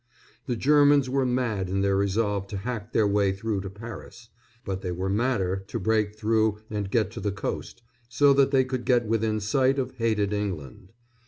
The Germans were mad in their resolve to hack their way through to Paris; but they were madder to break through and get to the coast, so that they could get within sight of hated England.